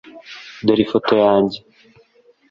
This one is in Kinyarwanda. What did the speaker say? Dore ifoto yanjye .